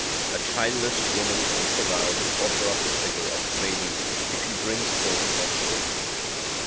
A childless woman makes a vow to offer up the figure of a baby, if she brings forth offspring.